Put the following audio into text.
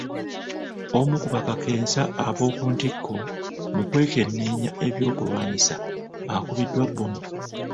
Omu ku bakakensa ab'oku ntikko mu kwekenneenya ebyokulwanyisa akubiddwa bbomu.